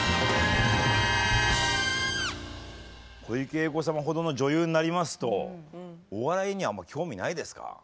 小池栄子様ほどの女優になりますとお笑いにはあんま興味ないですか？